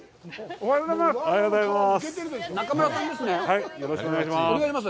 おはようございます。